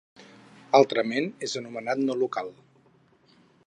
Altrament és anomenat no local.